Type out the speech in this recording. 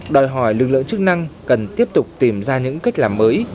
đòi hỏi lực lượng chức năng cần tiếp tục tìm ra những cách làm mới